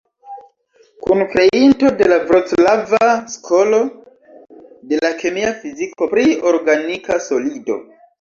Kunkreinto de la vroclava skolo de la kemia fiziko pri organika solido.